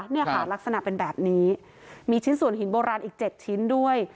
เนี่ยค่ะลักษณะเป็นแบบนี้มีชิ้นส่วนหินโบราณอีก๗ชิ้นด้วย